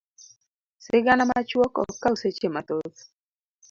Sigana machuok ok kaw seche mathoth.